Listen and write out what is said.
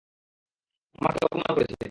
আমাকে অপমান করেছে!